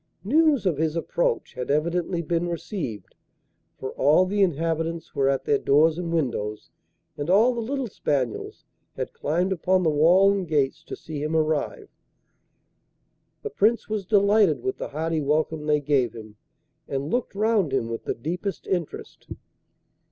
News of his approach had evidently been received, for all the inhabitants were at their doors and windows, and all the little spaniels had climbed upon the wall and gates to see him arrive. The Prince was delighted with the hearty welcome they gave him, and looked round him with the deepest interest.